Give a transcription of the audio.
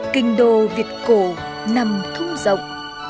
kinh đồ việt cổ nằm thung rộng